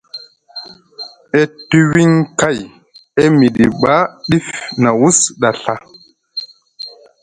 E tuwiŋ kay E miɗi ɓa ɗif na wus ɗa Ɵa.